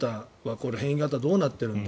これ、変異型はどうなっているのか。